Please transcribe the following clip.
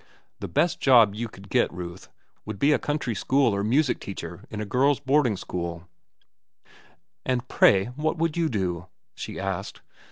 The best job you could get, Ruth, would be a country school or music teacher in a girls' boarding school." "And pray what would you do?" she asked.